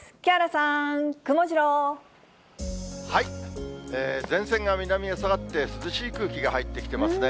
さ前線が南へ下がって涼しい空気が入ってきてますね。